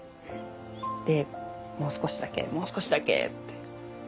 でもう少しだけもう少しだけって。